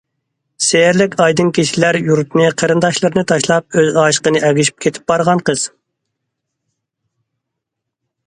سېھىرلىك ئايدىڭ كېچىلەر يۇرتىنى، قېرىنداشلىرىنى تاشلاپ ئۆز ئاشىقىنى ئەگىشىپ كېتىپ بارغان قىز.